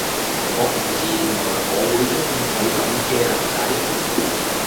我唔知原來我會鍾意佢噉嘅男仔